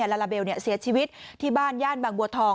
ลาลาเบลเสียชีวิตที่บ้านย่านบางบัวทอง